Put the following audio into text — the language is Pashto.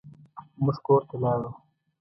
موږ کور ته لاړو.